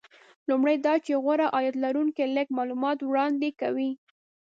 لومړی دا چې غوره عاید لرونکي لږ معلومات وړاندې کوي